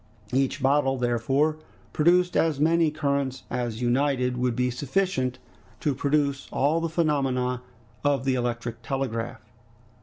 Each bottle, therefore, produced as many currents as united would be sufficient to produce all the phenomena of the electric telegraph.